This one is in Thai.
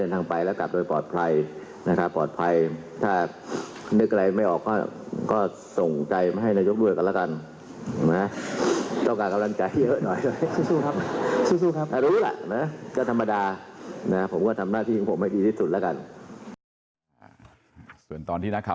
ต้องการกำลังกายเยอะหน่อยถ้ารู้ล่ะก็ธรรมดา